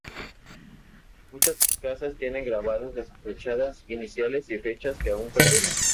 Muchas casas tienen grabadas en sus fachadas iniciales y fechas que aún perduran.